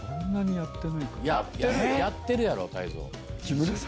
やってるやろ泰造。